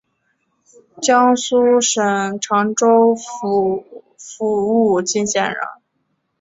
江苏省常州府武进县人。